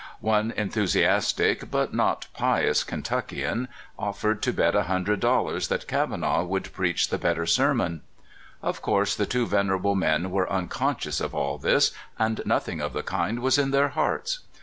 One enthu siastic but not pious Kentuckian offered to bet a hundred dollars that Kavanaugh w^ould preach the better sermon. Of course the two venerable men were unconscious of all this, and nothing of the kind was in their hearts.